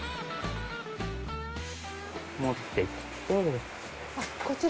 持ってって。